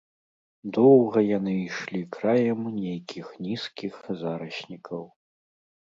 Доўга яны ішлі краем нейкіх нізкіх зараснікаў.